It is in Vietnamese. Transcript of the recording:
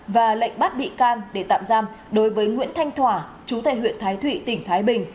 và lệnh bắt bị can để tạm giam đối với nguyễn thanh thỏa chú tại huyện thái thụy tỉnh thái bình